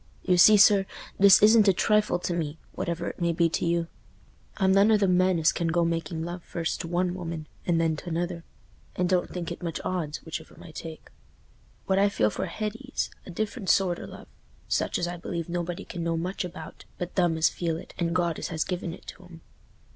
You see, sir, this isn't a trifle to me, whatever it may be to you. I'm none o' them men as can go making love first to one woman and then t' another, and don't think it much odds which of 'em I take. What I feel for Hetty's a different sort o' love, such as I believe nobody can know much about but them as feel it and God as has given it to 'em.